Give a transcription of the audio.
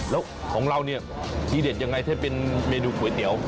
แล้วของเราเนี่ยทีเด็ดยังไงถ้าเป็นเมนูก๋วยเตี๋ยว